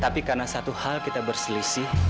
tapi karena satu hal kita berselisih